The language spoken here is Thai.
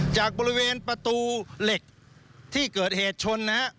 จากบริเวณประตูเหล็กที่เกิดเหตุชนนะฮะ